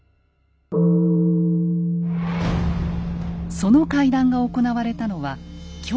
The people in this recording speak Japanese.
その会談が行われたのは京都。